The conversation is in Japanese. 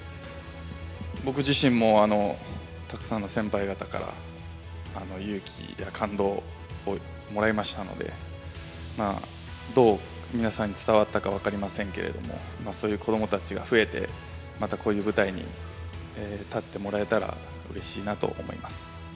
僕自身も、たくさんの先輩方から、勇気や感動をもらいましたので、どう皆さんに伝わったか分かりませんけれども、そういう子どもたちが増えて、またこういう舞台に立ってもらえたらうれしいなと思います。